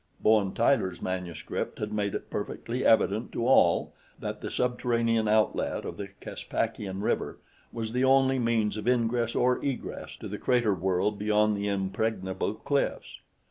Bowen Tyler's manuscript had made it perfectly evident to all that the subterranean outlet of the Caspakian River was the only means of ingress or egress to the crater world beyond the impregnable cliffs.